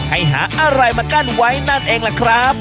ให้หาอะไรมากั้นไว้นั่นเองล่ะครับ